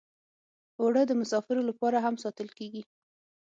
اوړه د مسافرو لپاره هم ساتل کېږي